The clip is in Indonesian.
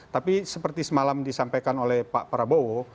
tapi seperti semalam disampaikan oleh pak prabowo